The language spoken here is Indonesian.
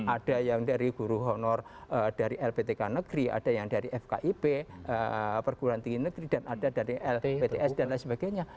ada yang dari guru honor dari lptk negeri ada yang dari fkip perguruan tinggi negeri dan ada dari lpts dan lain sebagainya